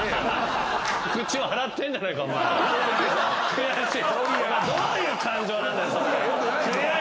悔しい！